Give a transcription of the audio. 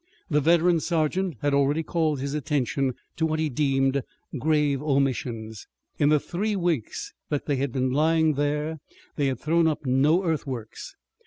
The veteran sergeant had already called his attention to what he deemed grave omissions. In the three weeks that they had been lying there they had thrown up no earthworks.